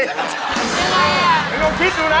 โทษเลยล่ะอันนี้ลองคิดดูนะ